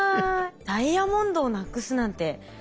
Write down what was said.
ダイヤモンドをなくすなんてとんでもないですね。